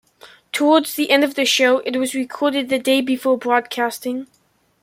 Towards the end of the show, it was recorded the day before broadcasting.